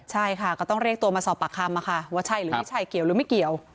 ใช่ค่ะก็ต้องเรียกตัวมาสอบปากคำว่าใช่หรือไม่ใช่เกี่ยวหรือไม่เกี่ยว